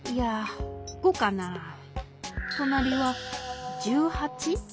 となりは１８？